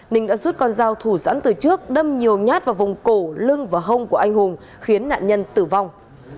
ninh đã rút con dao thủ sẵn từ trước đâm nhiều nhát vào vùng cổ lưng và hông của anh hùng khiến nạn nhân tử vong